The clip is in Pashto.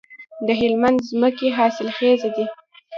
د هلمند ځمکې حاصلخیزه دي